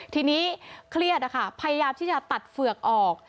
ทีนี้เครียดนะคะพยายามที่จะตัดเฝือกออก